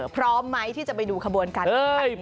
พร้อมไหมที่จะไปดูขบวนกัน